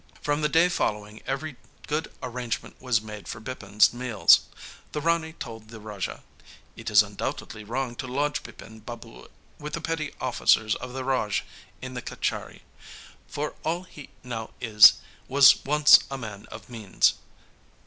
From the day following, every good arrangement was made for Bipin's meals. The Rani told the Raja: 'It is undoubtedly wrong to lodge Bipin Babu with the petty officers of the Raj in the Kachari; for all he now is, he was once a man of means.'